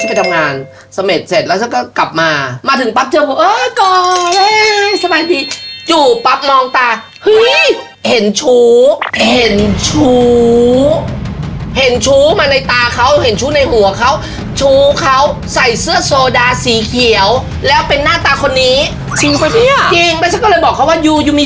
ใส่เยอะเขาไหวอยู่ในตาเขาเห็นชู้ในหัวเขาชู้เขาใส่เสื้อโซดาสีเขียวแล้วเป็นหน้าตาคนนี้